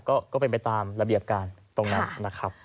ก็เป็นไปตามระเบียบการตรงนั้นนะครับ